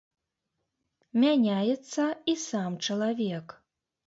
Мяняецца і сам чалавек.